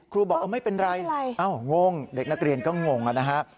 ครูบอกเออไม่เป็นไรเอ้างงเด็กนักเรียนก็งงนะครับ